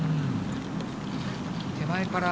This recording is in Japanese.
手前から。